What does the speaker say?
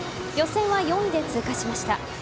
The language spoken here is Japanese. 予選は４位で通過しました。